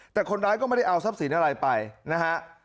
แต่คนร้ายก็ไม่ได้เอาทรัพย์สินอะไรไปนะฮะ